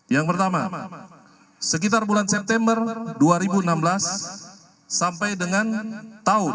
yang pertama sekitar bulan september dua ribu enam belas sampai dengan tahun dua ribu delapan belas